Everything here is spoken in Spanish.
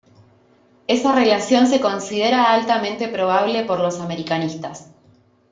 Esa relación se considera altamente probable por los americanistas.